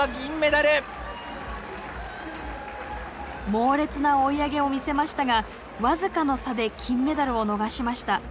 猛烈な追い上げを見せましたが僅かの差で金メダルを逃しました。